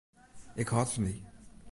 Ik hâld fan dy.